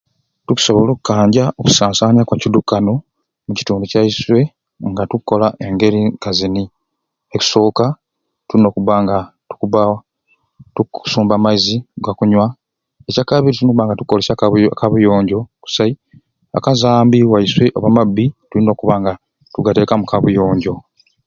Tukusobola okanja okusansanya kwa kidukano omu kitundu kyaiswe nga tukola engeri nkazini ekusoka tulina okuba nga tukusumba amaizi aga kunywa, ekya kabiri tuuna okubanga ekabu ekabuyonjo kusai akazambi waiswe oba amabbi tuyina okubba nga tugateka muka buyonjo.